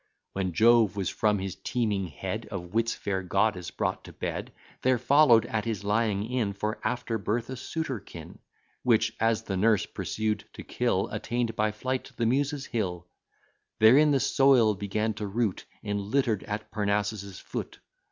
When Jove was from his teeming head Of Wit's fair goddess brought to bed, There follow'd at his lying in For after birth a sooterkin; Which, as the nurse pursued to kill, Attain'd by flight the Muses' hill, There in the soil began to root, And litter'd at Parnassus' foot.